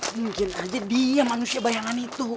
mungkin aja dia manusia bayangan itu